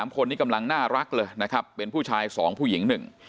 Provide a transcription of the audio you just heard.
คนนี้กำลังน่ารักเลยนะครับเป็นผู้ชายสองผู้หญิง๑